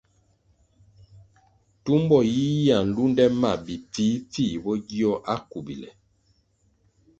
Tumbo yiyia nlunde ma bi pfihpfih bo gio akubile.